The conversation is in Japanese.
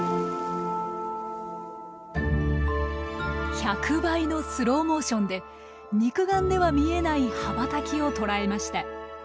１００倍のスローモーションで肉眼では見えない羽ばたきを捉えました。